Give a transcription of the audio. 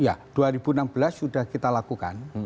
ya dua ribu enam belas sudah kita lakukan